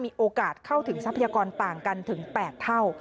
มีโอกาสเข้าถึงทรัพยากรต่างกันถึง๘เท่า